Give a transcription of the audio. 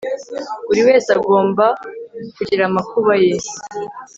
buri wese agomba kugira amakuba ye